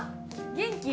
元気？